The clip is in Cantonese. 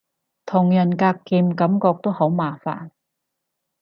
同人格劍感覺都好麻煩